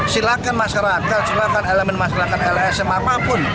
silakan masyarakat silakan elemen masyarakat lsm apapun